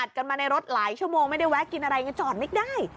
กันมาในรถหลายชั่วโมงไม่ได้แวะกินอะไรไงจอดไม่ได้